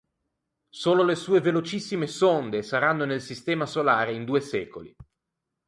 Solo le sue velocissime sonde saranno nel sistema solare in due secoli.